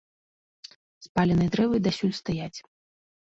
Спаленыя дрэвы дасюль стаяць.